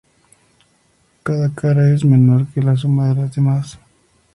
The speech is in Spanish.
Cada cara es menor que la suma de las demás.